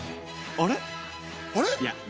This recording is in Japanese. あれ？